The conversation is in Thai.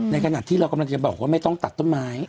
ขณะที่เรากำลังจะบอกว่าไม่ต้องตัดต้นไม้